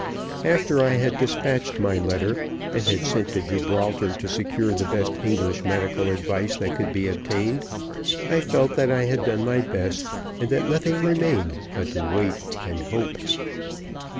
After I had dispatched my letter, and had sent to Gibraltar to secure the best English medical advice that could be obtained, I felt that I had done my best, and that nothing remained but to wait and hope.